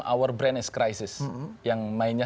our brand is crisis yang mainnya